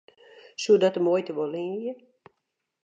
Soe dat de muoite wol leanje?